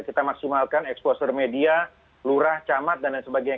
kita maksimalkan exposure media lurah camat dan lain sebagainya